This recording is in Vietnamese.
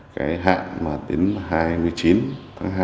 cái hạn mà đến hai mươi chín tháng hai